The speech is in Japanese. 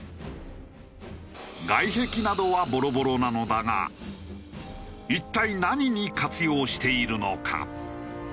外壁などはボロボロなのだが一体何に活用しているのか？